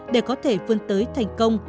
để có thể vươn tới thành công